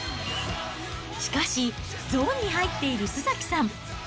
しかし、ゾーンに入っている須崎さん。